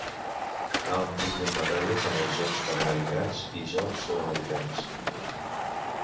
Ha obtingut medalles en els Jocs Panamericans i Jocs Sud-americans.